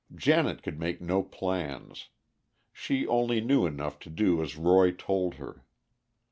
Janet could make no plans. She only knew enough to do as Roy told her.